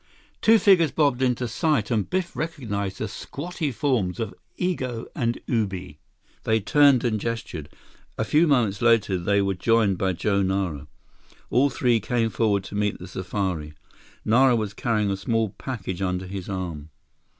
Two figures bobbed into sight, and Biff recognized the squatty forms of Igo and Ubi. They turned and gestured. A few moments later they were joined by Joe Nara. All three came forward to meet the safari. Nara was carrying a small package under his arm.